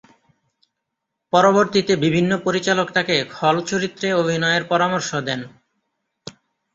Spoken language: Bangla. পরবর্তীতে বিভিন্ন পরিচালক তাকে খলচরিত্রে অভিনয়ের পরামর্শ দেন।